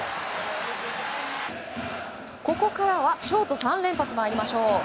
ここからはショート３連発に参りましょう。